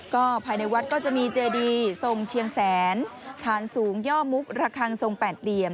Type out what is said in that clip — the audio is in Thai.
ก็ภายในวัดก็จะมีเจดีทรงเชียงแสนฐานสูงย่อมุกระคังทรงแปดเหลี่ยม